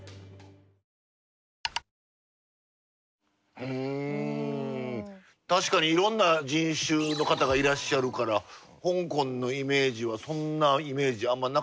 うん確かにいろんな人種の方がいらっしゃるから香港のイメージはそんなイメージあんまなかったっていうか。